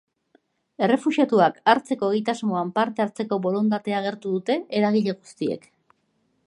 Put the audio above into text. Errefuxiatuak hartzeko egitasmoan parte hartzeko borondatea agertu dute eragile guztiek.